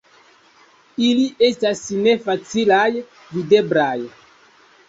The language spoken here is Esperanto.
Ili estas ne facilaj videblaj.